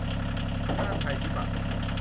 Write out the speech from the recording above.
ทั้งด้านภัยพิบัติ